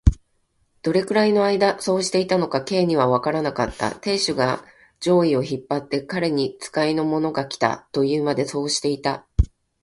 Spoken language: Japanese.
どれくらいのあいだそうしていたのか、Ｋ にはわからなかった。亭主が上衣を引っ張って、彼に使いの者がきた、というまで、そうしていた。